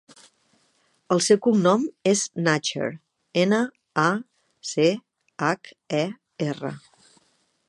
El seu cognom és Nacher: ena, a, ce, hac, e, erra.